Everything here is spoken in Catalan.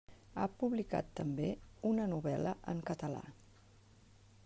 Ha publicat també una novel·la en català.